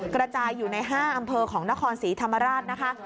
กระจายอยู่ใน๕อำเภอของนครศรีธรรมราชนะคะ